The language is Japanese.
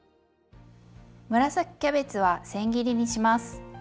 紫キャベツはせん切りにします。